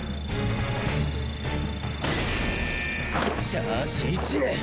チャージ１年！